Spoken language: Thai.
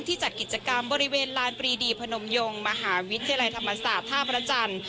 จัดกิจกรรมบริเวณลานปรีดีพนมยงมหาวิทยาลัยธรรมศาสตร์ท่าพระจันทร์